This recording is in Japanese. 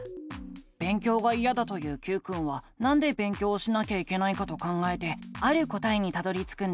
勉強がいやだと言うＱくんはなんで勉強をしなきゃいけないかと考えてある答えにたどりつくんだ。